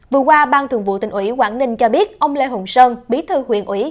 vừa qua bang thượng vụ tỉnh ủy quảng đình cho biết ông lê hồng sơn biết thư huyện ủy